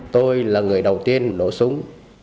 tôi là người đầu tiên nổ súng